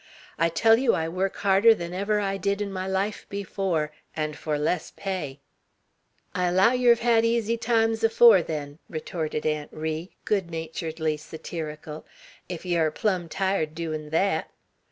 I tell you I work harder than I ever did in my life before, and for less pay." "I allow yer hev hed easy times afore, then," retorted Aunt Ri, good naturedly satirical, "ef yeow air plum tired doin' thet!"